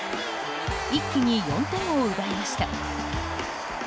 一気に４点を奪いました。